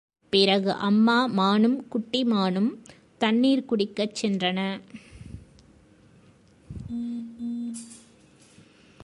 பிறகு அம்மா மானும் குட்டி மானும் தண்ணீர் குடிக்கச் சென்றன.